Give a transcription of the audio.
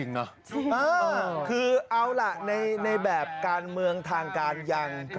คือเอาล่ะในแบบการเมืองทางการยัง